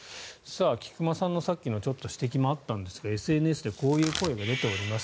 菊間さんのさっきのちょっと指摘もあったんですがＳＮＳでこういう声が出ております。